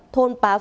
thôn pá phi